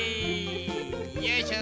よいしょ。